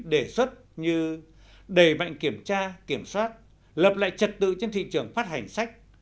đề xuất như đẩy mạnh kiểm tra kiểm soát lập lại trật tự trên thị trường phát hành sách